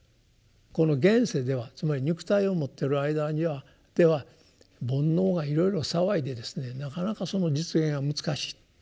この現世ではつまり肉体を持ってる間では煩悩がいろいろ騒いでですねなかなかその実現が難しい。